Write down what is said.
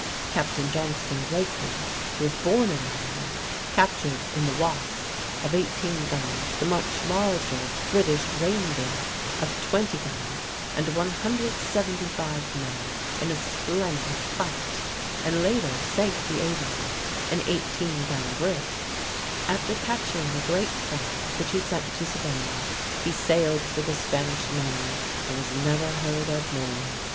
Captain Johnston Blakely, who was born in Ireland, captured in the Wasp of 18 guns the much larger British Reindeer of 20 guns and 175 men in a splendid fight, and later sank the Avon, an 18 gun brig. After capturing a great prize, which he sent to Savannah, he sailed for the Spanish main and was never heard of more.